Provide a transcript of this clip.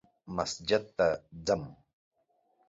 زه مسجد ته ځم